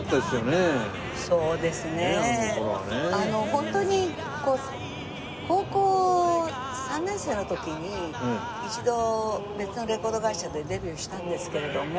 ホントに高校３年生の時に一度別のレコード会社でデビューしたんですけれども。